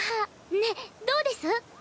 ねっどうです？